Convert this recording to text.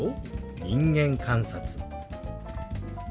「人間観察」。